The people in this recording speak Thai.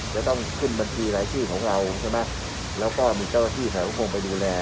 จะต้องขึ้นบัญชีหลายที่ของเราใช่ไหมแล้วก็มีเจ้าที่แถวผมไปดูแล